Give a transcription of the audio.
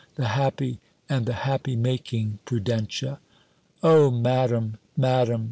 the happy, and the happy making Prudentia." "O Madam! Madam!"